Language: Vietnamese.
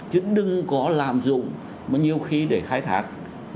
chứ đừng có làm dụng mà nhiều khi để khai thác